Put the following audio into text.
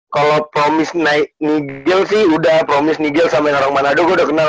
kalau promis nigel sih udah promis nigel sama yang orang manado gue udah kenal